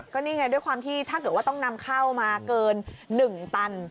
ก็นี่ไงด้วยความที่ถ้าเกิดว่าต้องนำเข้ามาเกิน๑ตัน